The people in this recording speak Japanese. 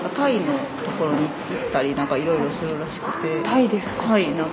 タイですか。